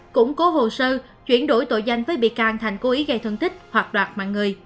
củng cố hồ sơ chuyển đổi tội danh với bị can thành cố ý gây thân tích hoặc đoạt mạng người